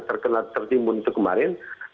terkena tertimbun itu kemarin